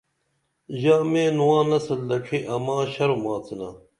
ژا میں نواں نسل دڇھی اماں شرم آڅِنا